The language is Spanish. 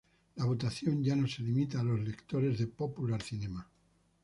La votación ya no se limita a los lectores de "Popular Cinema".